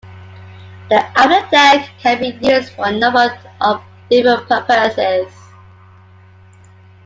The afterdeck can be used for a number of different purposes.